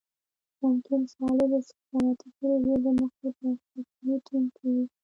ممکن صالح د استخباراتي پروژې له مخې په اشرف غني ټيم کې وي.